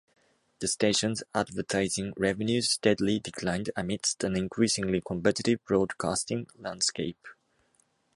The station's advertising revenues steadily declined amidst an increasingly competitive broadcasting landscape.